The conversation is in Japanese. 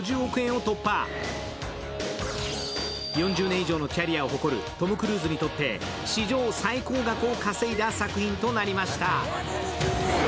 ４０年以上のキャリアを誇るトム・クルーズにとって史上最高額を稼いだ作品となりました。